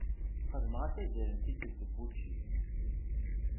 Xedmeɣ-as azal n tikkelt n wučči.